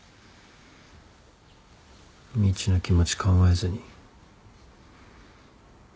みちの気持ち考えずに。